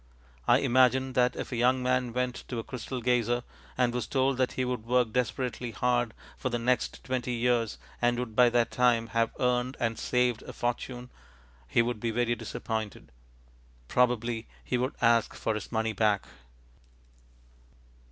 I imagine that if a young man went to a crystal gazer and was told that he would work desperately hard for the next twenty years, and would by that time have earned (and saved) a fortune, he would be very disappointed. Probably he would ask for his money back.